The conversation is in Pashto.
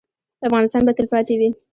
افغانستان به تلپاتې وي؟